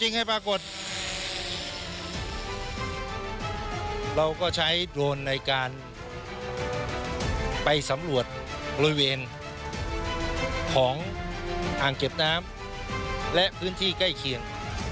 ในขณะนี้จะมีพื้นที่ใกล้เคียงและพื้นที่ใกล้เคียง